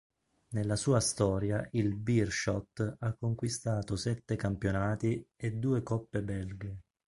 Nella sua storia il Beerschot ha conquistato sette campionati e due Coppe belghe.